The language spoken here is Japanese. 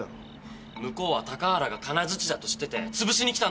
向こうは高原が金づちだと知っててつぶしにきたんだぞ。